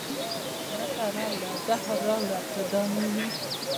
کرکه راوړه زهر راوړه که دا نه وي